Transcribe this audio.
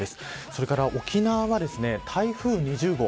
それから沖縄は台風２０号